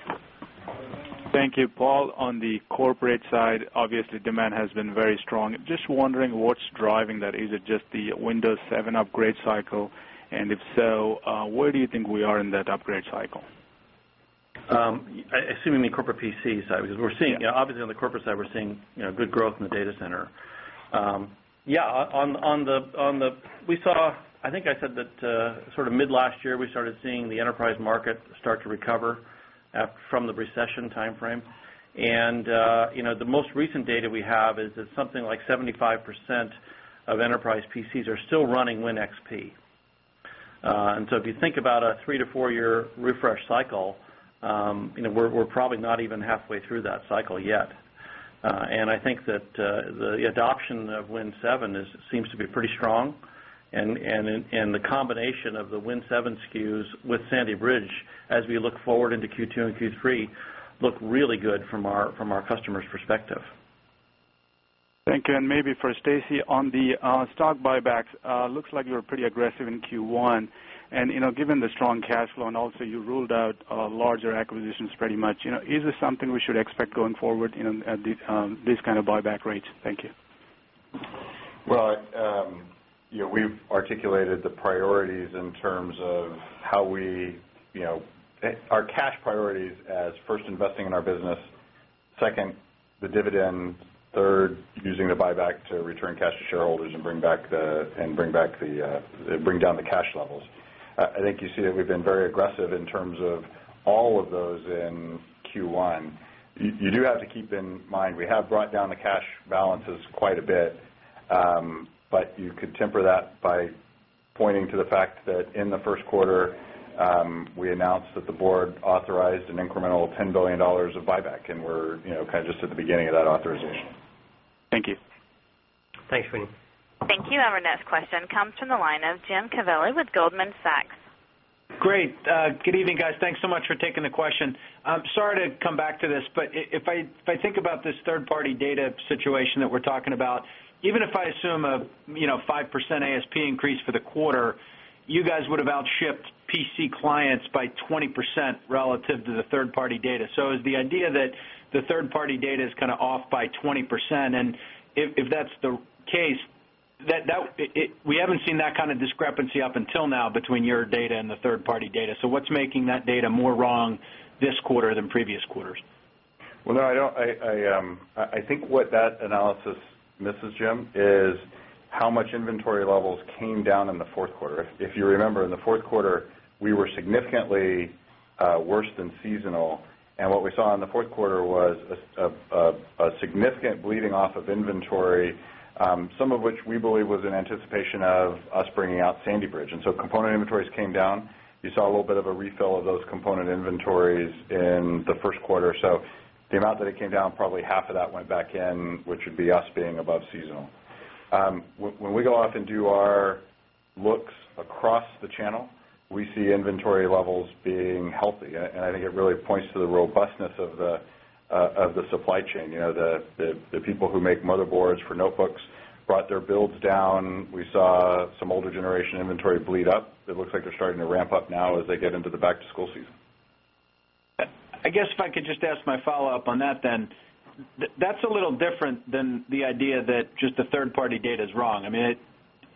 [SPEAKER 14] Thank you. Paul, on the corporate side, obviously demand has been very strong. Just wondering what's driving that? Is it just the Windows 7 upgrade cycle? And if so, where do you think we are in that upgrade cycle?
[SPEAKER 3] Assuming the corporate PC side, because we're seeing obviously on the corporate side, we're seeing Good growth in the data center. Yes, on the we saw I think I said that sort of mid last year, we started seeing the enterprise market Start to recover from the recession timeframe. And the most recent data we have is that something like 75% Of enterprise PCs are still running WinXP. And so if you think about a 3 to 4 year refresh cycle, We're probably not even halfway through that cycle yet. And I think that the adoption of Win 7 seems to be pretty strong. And the combination of the Win 7 SKUs with Sandy Bridge as we look forward into Q2 and Q3 Looked really good from our customers' perspective.
[SPEAKER 14] Thank you. And maybe for Stacy, on the stock buybacks, Looks like you were pretty aggressive in Q1. And given the strong cash flow and also you ruled out larger acquisitions pretty much, is this something we expect going forward at this kind of buyback rates? Thank you.
[SPEAKER 4] Well, we've articulated the priorities in terms of How we our cash priorities as 1st investing in our business second, the dividend 3rd, using the buyback to return cash to shareholders and bring back the bring down the cash levels. I think you see that we've been very aggressive in terms of All of those in Q1. You do have to keep in mind, we have brought down the cash balances quite a bit, But you could temper that by pointing to the fact that in the Q1, we announced That the Board authorized an incremental $10,000,000,000 of buyback and we're kind of just at the beginning of that authorization. Thank you.
[SPEAKER 2] Thanks, Winnie.
[SPEAKER 5] Thank
[SPEAKER 1] you. Our next question comes from the line of Jim Covelli with Goldman Sachs.
[SPEAKER 5] Great. Good evening, guys. Thanks so much for taking the question. I'm sorry to come back to this, but if I think about this 3rd party data situation that we're talking about, even if I assume a 5% ASP increase for the quarter, You guys would have outshipped PC clients by 20% relative to the 3rd party data. So is the idea that the 3rd party data is kind of off by 20% and If that's the case, that we haven't seen that kind of discrepancy up until now between your data and the 3rd party data. So what's making that data more wrong This quarter than previous quarters.
[SPEAKER 4] Well, no, I don't I think what that analysis misses, Jim, is How much inventory levels came down in the 4th quarter? If you remember in the 4th quarter, we were significantly worse than seasonal And what we saw in the Q4 was a significant bleeding off of inventory, some of which we believe was of us bringing out Sandy Bridge. And so component inventories came down. You saw a little bit of a refill of those component inventories in the Q1. So The amount that it came down, probably half of that went back in, which would be us being above seasonal. When we go off and do our Looks across the channel. We see inventory levels being healthy. And I think it really points to the robustness Of the supply chain, the people who make motherboards for notebooks brought their builds down. We saw some older generation inventory bleed up. It looks like they're starting to ramp up now as they get into the back to school season.
[SPEAKER 5] I guess if I could just ask my follow-up on that then. That's a little different than the idea that just the 3rd party data is wrong. I mean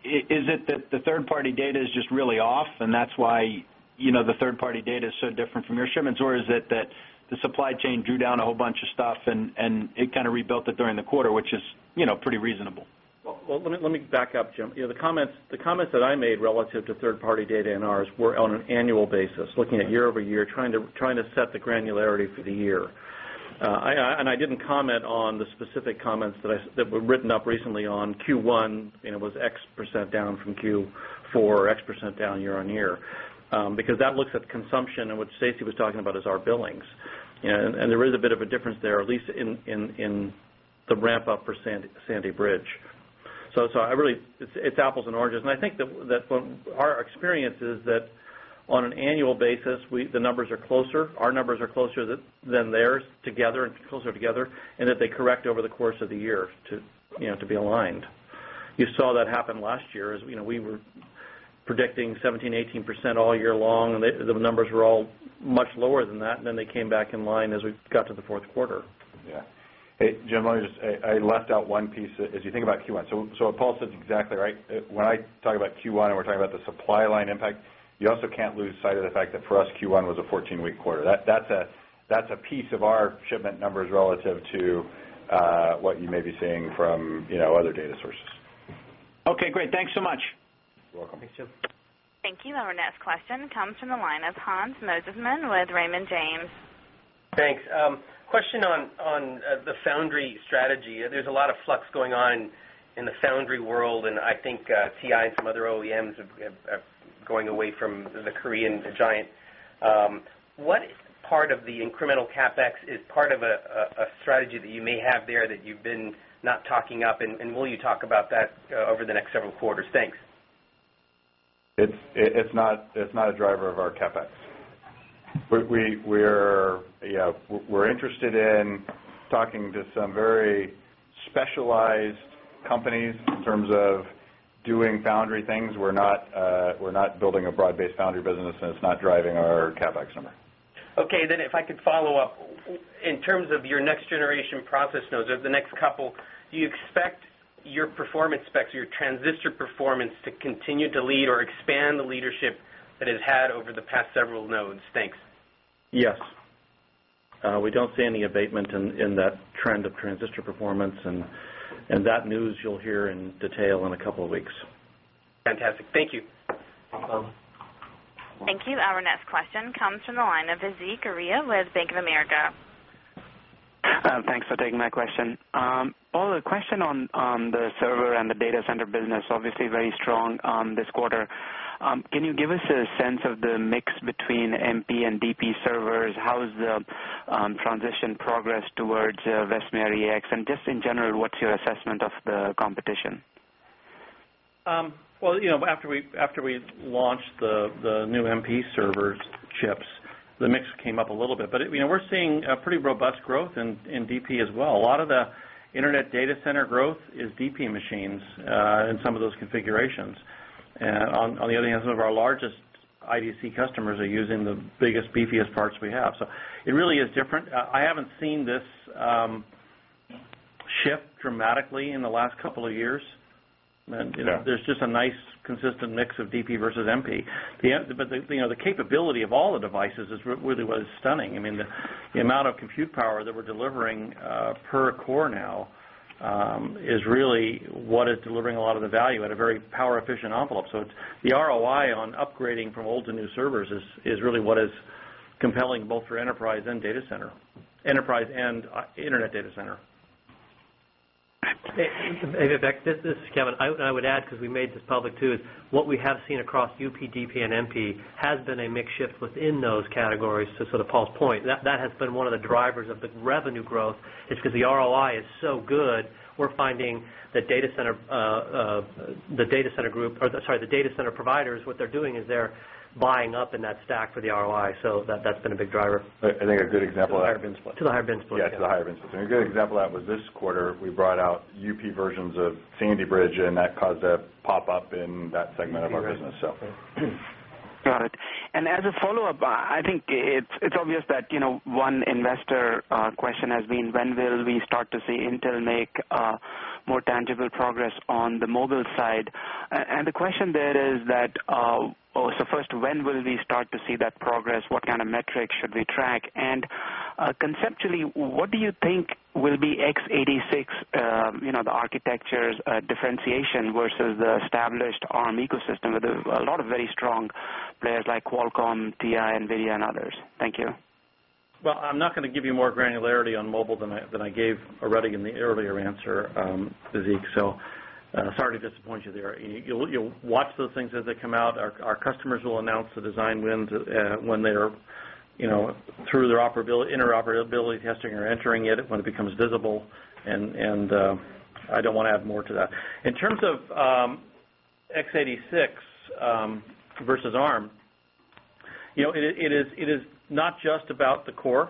[SPEAKER 5] is it that the 3rd party data is just really off and that's why You know the 3rd party data is so different from your shipments? Or is it that the supply chain drew down a whole bunch of stuff and it kind of rebuilt it during the quarter, which is pretty reasonable?
[SPEAKER 3] Well, let me back up, Jim. The comments that I made relative to 3rd party data and ours were on an annual basis, looking at year over year, trying to set the granularity for the year. And I didn't comment on the specific comments that were written up recently on Q1, it was X percent down from Q 4x percent down year on year, because that looks at consumption and what Stacy was talking about is our billings. And there is a bit of a difference there at least in The ramp up for Sandy Bridge. So I really it's apples and oranges. And I think that our experience is that On an annual basis, we the numbers are closer. Our numbers are closer than theirs together and closer together and that they correct over the course of the year To be aligned. You saw that happen last year as we were predicting 17%, 18% all year long and the numbers were all Much lower than that and then they came back in line as we got to the Q4.
[SPEAKER 4] Yes. Hey, Jim, let me just I left out one piece as you think about Q1. So Paul said exactly right. When I talk about Q1 and we're talking about the supply line impact, you also can't lose sight of the fact that for us Q1 was a 14 week quarter. That's a piece of our shipment numbers relative to what you may be seeing from other data sources.
[SPEAKER 5] Okay, great. Thanks so much.
[SPEAKER 2] You're welcome. Thanks, Jim.
[SPEAKER 1] Thank you. Our next question comes from the line of Hans Mosesman with Raymond James.
[SPEAKER 15] Thanks. Question on the foundry strategy. There's a lot of flux going on in the foundry world, and I think TI and some other OEMs are Going away from the Korean giant, what part of the incremental CapEx is part of a strategy that you may have there that you've been Not talking up and will you talk about that over the next several quarters? Thanks.
[SPEAKER 4] It's not a driver of our CapEx. We're interested in talking to some very specialized companies in terms of Doing foundry things, we're not building a broad based foundry business and it's not driving our CapEx number.
[SPEAKER 2] Okay. Then if I could follow-up,
[SPEAKER 15] In terms of your next generation process nodes, the next couple, do you expect your performance specs, your transistor performance to continue to lead or expand the leadership That has had over the past several nodes. Thanks.
[SPEAKER 3] Yes. We don't see any abatement in that trend of transistor performance. And that news you'll hear in detail in a couple of weeks.
[SPEAKER 15] Fantastic. Thank you. You're welcome.
[SPEAKER 1] Thank you. Our next Question comes from the line of Vazeeq Arya with Bank of America.
[SPEAKER 11] Thanks for taking my question. Paul, a question on The server and the data center business, obviously very strong this quarter. Can you give us a sense of the mix between MP and DP servers? How is the Transition progress towards Vesemir EX? And just in general, what's your assessment of the competition?
[SPEAKER 3] Well, after we launched the new MP server chips, the mix came up a little We're seeing a pretty robust growth in DP as well. A lot of the Internet data center growth is DP machines in
[SPEAKER 10] some of those
[SPEAKER 3] configurations. On the other hand, some of our largest IDC customers are using the biggest, beefiest parts we have. So it really is different. I haven't seen this Shipped dramatically in the last couple of years. There's just a nice consistent mix of DP versus MP. Yes. But the capability of all the devices is really was stunning. I mean, the amount of compute power that we're delivering per core now Is really what is delivering a lot of the value at a very power efficient envelope. So it's the ROI on upgrading from old to new servers is really what is Compelling both for enterprise and data center enterprise and Internet data center.
[SPEAKER 2] In fact, this is Kevin, I would add because we made this public too is what we have seen across UPDP and MP has been a mix shift within those categories to sort of Paul's point. That has One of the drivers of the revenue growth is because the ROI is so good, we're finding The data center group sorry, the data center providers, what they're doing is they're buying up in that stack for the ROI. So that's been a big driver.
[SPEAKER 4] I think a good example the
[SPEAKER 2] higher bins.
[SPEAKER 4] Yes, to the higher bins. And a good example of that was this quarter, we brought out UP versions of Sandy Bridge and that caused a pop up in that segment of our business.
[SPEAKER 9] Got it. And as
[SPEAKER 11] a follow-up, I think it's obvious that one investor question has been when will we start to see Intel make More tangible progress on the mobile side. And the question there is that, so first, when will we start to see that progress? What kind of metrics should we track? And conceptually, what do you think will be x86, the architectures differentiation versus the established ARM
[SPEAKER 3] Well, I'm not going to give you more granularity on mobile than I gave Already in the earlier answer, Pizik. So sorry to disappoint you there. You'll watch those things as they come out. Our customers will announce Design wins when they are through their interoperability testing or entering it when it becomes visible And I don't want to add more to that. In terms of X86 versus ARM, It is not just about the core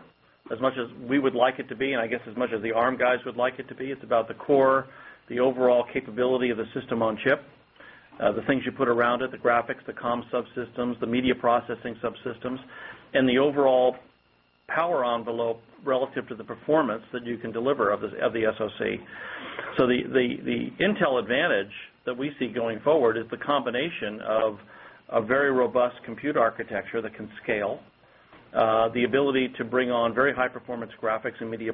[SPEAKER 3] as much as we would like it to be and I guess as much as the ARM guys would like it to be. It's about the core, The overall capability of the system on chip, the things you put around it, the graphics, the comm subsystems, the media processing subsystems and the overall Power envelope relative to the performance that you can deliver of the SoC. So the Intel advantage That we see going forward is the combination of a very robust computer architecture that can scale, the ability to bring on very high performance graphics and media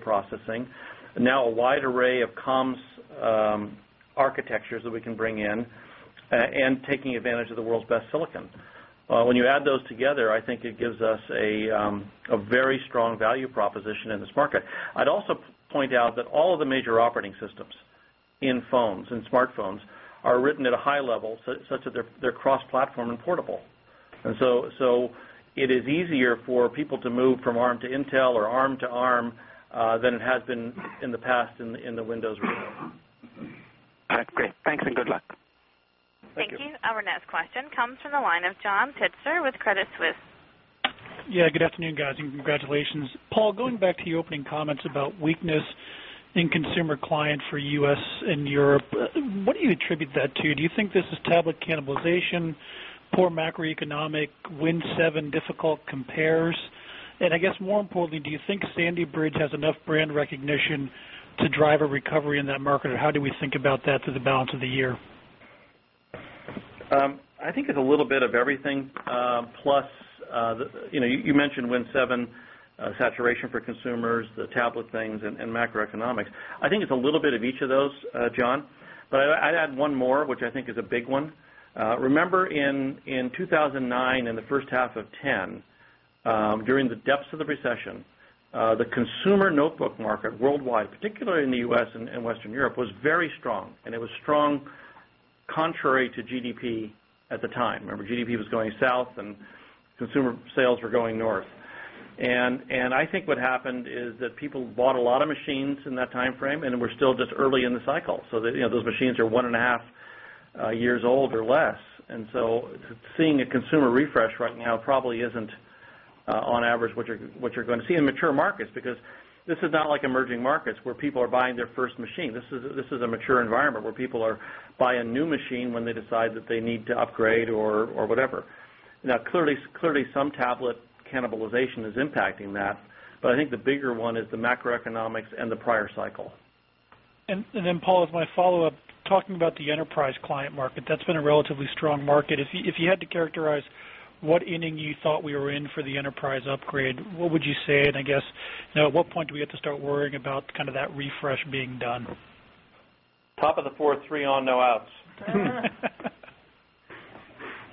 [SPEAKER 3] Now a wide array of comms architectures that we can bring in and taking advantage of the world's best silicon. When you add those together, I think it gives us a very strong value proposition in this market. I'd also point out that all of the major operating systems in phones and smartphones are written at a high level such that they're cross platform and portable. And so It is easier for people to move from ARM to Intel or ARM to ARM, than it has been in the past in the Windows
[SPEAKER 11] Great. Thanks and good luck.
[SPEAKER 1] Thank you. Our next question comes from the line of John Pitzer with Credit Suisse.
[SPEAKER 16] Good afternoon, guys, and congratulations. Paul, going back to your opening comments about weakness in consumer client for U. S. In Europe, what do you attribute that to? Do you think this is tablet cannibalization, poor macroeconomic, Win 7 difficult compares? And I guess more importantly, do you think Sandy Bridge has enough brand recognition to drive a recovery in that market? Or how do we think about that through
[SPEAKER 17] the balance of the year?
[SPEAKER 3] I think it's a little bit of everything, plus you mentioned Win 7 saturation for consumers, the tablet Thanks and macroeconomics. I think it's a little bit of each of those, John. But I'd add one more, which I think is a big one. Remember, In 2,009 and the first half of twenty ten, during the depths of the recession, the consumer notebook market worldwide, Particularly in the U. S. And Western Europe was very strong and it was strong contrary to GDP at the time. Remember GDP was going south and Consumer sales were going north. And I think what happened is that people bought a lot of machines in that time frame and we're So just early in the cycle, so those machines are 1.5 years old or less. And so seeing a consumer refresh right now probably isn't On average, what you're going to see in mature markets, because this is not like emerging markets where people are buying their first machine. This is a mature environment where people are Buy a new machine when they decide that they need to upgrade or whatever. Now clearly some tablet cannibalization is impacting that, But I think the bigger one is the macroeconomics and the prior cycle.
[SPEAKER 16] And then Paul, as my follow-up, talking about the enterprise That's been a relatively strong market. If you had to characterize what inning you thought we were in for the enterprise upgrade, what would you say? And I guess Now at what point do we have to start worrying about kind of that refresh being done?
[SPEAKER 3] Top of the 4, 3 on, no outs.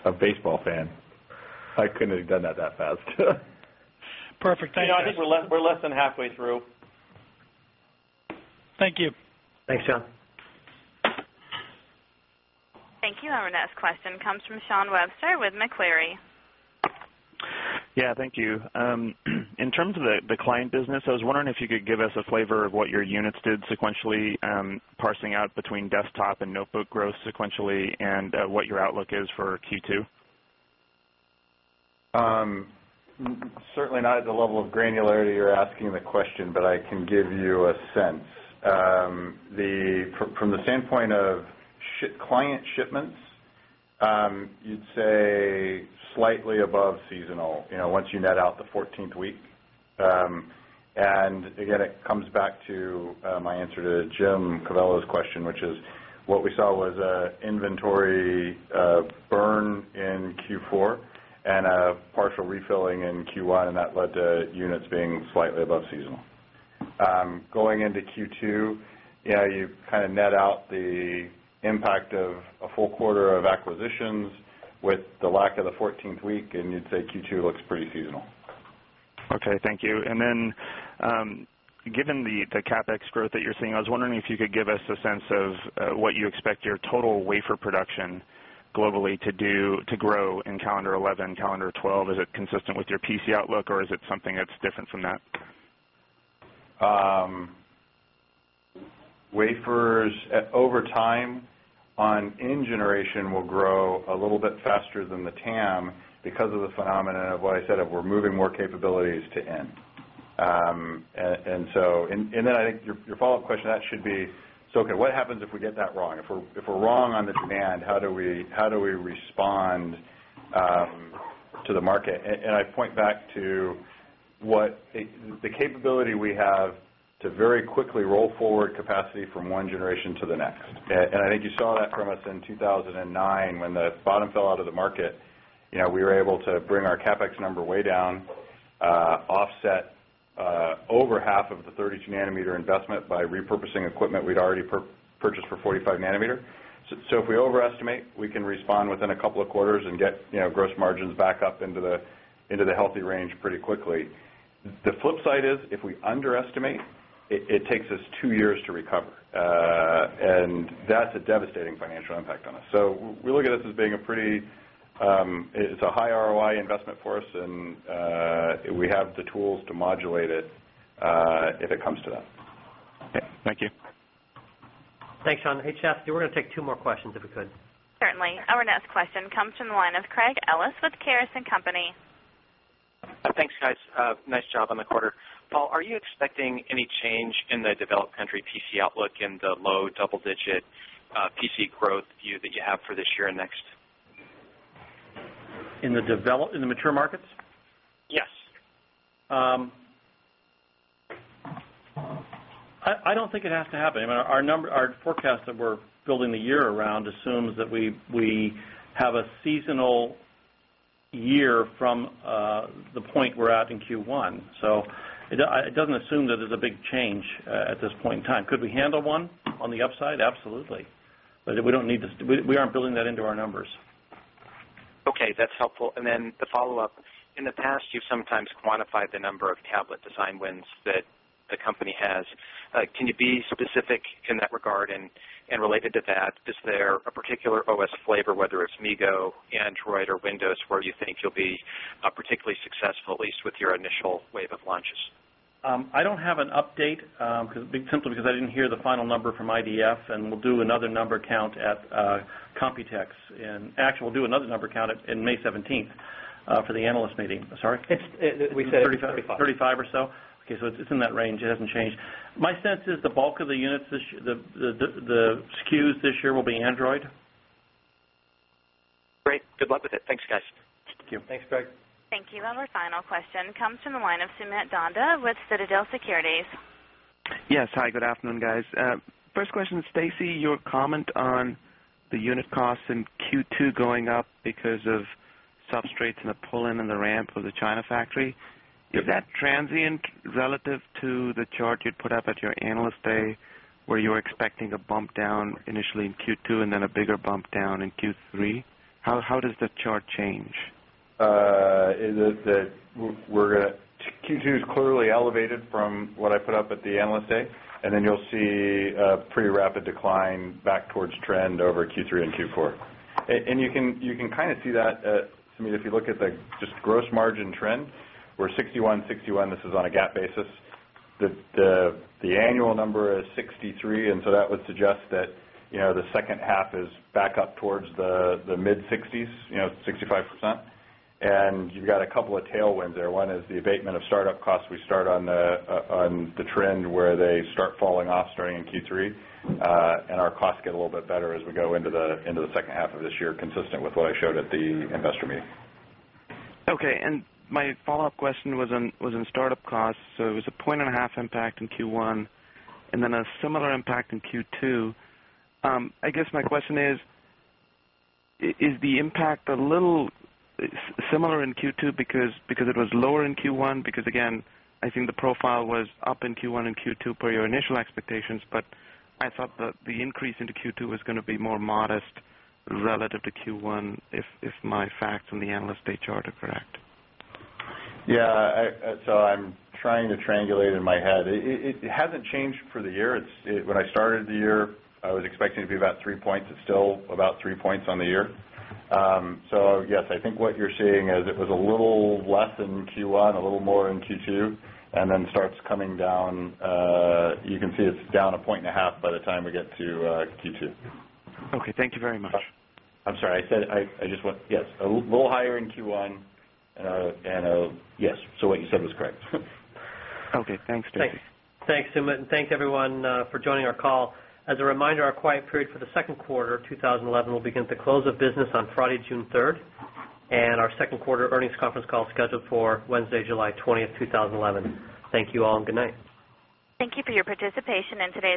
[SPEAKER 4] A baseball fan. I couldn't have done that that fast. Perfect.
[SPEAKER 5] Thank
[SPEAKER 3] you. We're less than halfway through.
[SPEAKER 5] Thank you. Thanks, John.
[SPEAKER 1] Thank you. Our next question comes from Sean Webster with Macquarie.
[SPEAKER 18] Yes. Thank you. In terms of the client business, I was wondering if you could give us a flavor of what your units did sequentially, parsing out between desktop and notebook growth
[SPEAKER 4] The question, but I can give you a sense. From the standpoint of client shipments, You'd say slightly above seasonal, once you net out the 14th week. And again, it comes back to my answer to Jim Covello's question, which is what we saw was inventory Burn in Q4 and a partial refilling in Q1 and that led to units being slightly above seasonal. Going into Q2, Yes. You kind of net out the impact of a full quarter of acquisitions with the lack of the 14th week, and you'd say Q2 looks pretty seasonal.
[SPEAKER 18] Okay. Thank you. And then, given the CapEx growth that you're seeing, I was wondering if you could give us a sense of what you expect your total wafer production Globally to do to grow in calendar 2011 calendar 2012, is it consistent with your PC outlook or is it something that's different from that?
[SPEAKER 4] Wafers over time on in generation will grow a little bit faster than the TAM, because of the phenomenon of what I said that we're moving more capabilities to N. And so and then I think your follow-up question that should be, so okay, what happens if we get that wrong? If we're wrong on the demand, how do we respond to the market? And I point back to What the capability we have to very quickly roll forward capacity from 1 generation to the next. And I think you saw that from us In 2009, when the bottom fell out of the market, we were able to bring our CapEx number way down, offset Over half of the 32 nanometer investment by repurposing equipment we'd already purchased for 45 nanometer. So if we overestimate, We can respond within a couple of quarters and get gross margins back up into the healthy range pretty quickly. The flip side is, if we underestimate, It takes us 2 years to recover, and that's a devastating financial impact on us. So we look at this as being a pretty It's a high ROI investment for us and we have the tools to modulate it if it comes to that.
[SPEAKER 7] Okay. Thank you.
[SPEAKER 2] Thanks, Sean. Hey, Chastity, we're going to take 2 more questions, if you could.
[SPEAKER 1] Certainly. Our next question comes from the line of Craig Ellis with Keyurice and Company.
[SPEAKER 17] Thanks guys. Nice job on the quarter. Paul, are you expecting any change in the developed country PC outlook in the low double digit PC growth that you have for this year and next?
[SPEAKER 3] In the developed in the mature markets?
[SPEAKER 5] Yes.
[SPEAKER 3] I don't think it has to happen. I mean, our number our forecast that we're building the year around assumes that we have a seasonal Year from the point we're at in Q1. So it doesn't assume that there's a big change At this point in time, could we handle 1 on the upside? Absolutely. But we don't need to we aren't building that into our numbers.
[SPEAKER 17] Okay. That's helpful. And then the follow-up. In the past, you've sometimes quantified the number of tablet design wins that the company has. Can you be specific in that regard? Related to that, is there a particular OS flavor whether it's MIGO, Android or Windows where you think you'll be particularly successful at least with your initial wave of launches?
[SPEAKER 3] I don't have an update, because big simply because I didn't hear the final number from IDF and we'll do another number count at Computex. And actually, we'll do another number count in May 17th for the analyst meeting, sorry.
[SPEAKER 2] That we said 35.
[SPEAKER 3] 35 or so. So it's in that range. It hasn't changed. My sense is the bulk of the units the SKUs this year will be Android.
[SPEAKER 17] Great. Good luck with it. Thanks guys.
[SPEAKER 7] Thank you. Thanks Greg.
[SPEAKER 1] Thank you. And our final question comes from the line of Sumit Danda with Citadel Securities.
[SPEAKER 9] Yes. Hi, good afternoon guys. First question, Stacy, your comment on the unit costs in Q2 going up because of Substrates and the pull in and the ramp of the China factory, is that transient relative to the chart you'd put up at your Analyst Day Were you expecting a bump down initially in Q2 and then a bigger bump down in Q3? How does the chart change?
[SPEAKER 4] We're going to Q2 is clearly elevated from what I put up at the Analyst Day and then you'll see And you can kind of see that, Simeon, if you look at the just gross margin trend, We're 61.61. This is on a GAAP basis. The annual number is 63. And so that would suggest that The second half is back up towards the mid-60s, 65%. And you've got a couple Tailwinds there. 1 is the abatement of startup costs. We start on the trend where they start falling off starting in Q3, and our costs get a little bit better as we go into the second half of this year consistent with what I showed at the Investor Meeting.
[SPEAKER 9] Okay. And my follow-up question was on startup costs. It was a 0.5 impact in Q1 and then a similar impact in Q2. I guess my question is, Is the impact a little similar in Q2 because it was lower in Q1? Because again, I think the profile was up in Q1 and Q2 per your initial But I thought the increase into Q2 was going to be more modest relative to Q1, if my facts in the Analyst Day chart are correct.
[SPEAKER 4] Yes. So I'm trying to triangulate in my head. It hasn't changed for the year. When I started the year, I was expecting it to be about 3 points. It's still about 3 points on the year. So yes, I think what you're seeing is it was a little less in Q1, a little more in Q2 And then starts coming down, you can see it's down 1.5 by the time we get to Q2.
[SPEAKER 9] Okay. Thank you very much.
[SPEAKER 3] I'm sorry, I said I just want yes,
[SPEAKER 4] a little higher in Q1 and yes,
[SPEAKER 3] so what you said was correct.
[SPEAKER 9] Okay. Thanks,
[SPEAKER 2] Thanks, Sumit, and thanks everyone for joining our call. As a reminder, our quiet period for the Q2 of 2011 will begin the close of business on Friday, June 3, And our Q2 earnings conference call scheduled for Wednesday, July 20, 2011. Thank you all and good night.
[SPEAKER 1] Thank you for your participation in today's